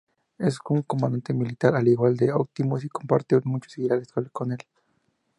Es un comandante militar, al igual que Optimus,y comparte muchos ideales con el.